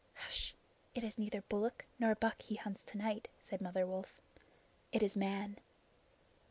"H'sh. It is neither bullock nor buck he hunts to night," said Mother Wolf. "It is Man."